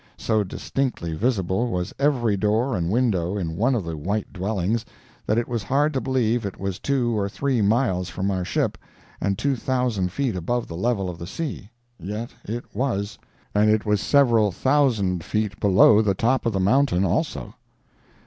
So distinctly visible was every door and window in one of the white dwellings, that it was hard to believe it was two or three miles from our ship and two thousand feet above the level of the sea. Yet it was—and it was several thousand feet below the top of the mountain, also.